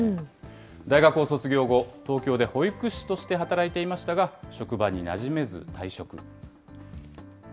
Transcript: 大学を卒業後、東京で保育士として働いていましたが、職場になじめず退職。